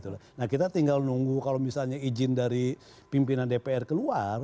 nah kita tinggal nunggu kalau misalnya izin dari pimpinan dpr keluar